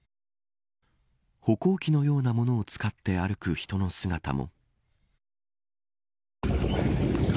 歩行器のようなものを使って歩く人の姿も。